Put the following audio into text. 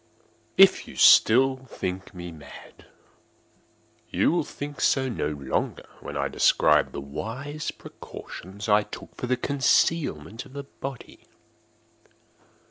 If still you think me mad, you will think so no longer when I describe the wise precautions I took for the concealment of the body.